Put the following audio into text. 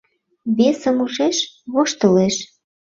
Весым ужеш — воштылеш